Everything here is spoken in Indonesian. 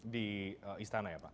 di istana ya pak